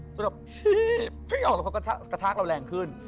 จนแบบพริ๊บพริ๊บออกแล้วเขากระชากเราแรงขึ้น